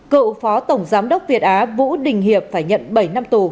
cựu phó tổng giám đốc việt á vũ đình hiệp phải nhận bảy năm tù